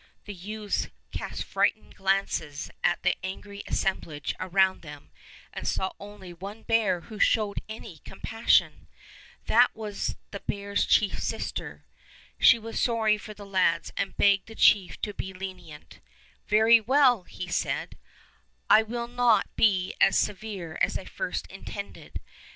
The youths cast frightened glances at the angry assemblage around them and saw only one bear who showed any compassion. That one was the bear chief's sister. She was sorry for the lads and begged the chief to be lenient. ''Very well," he said, "I will not be as severe as I at first intended.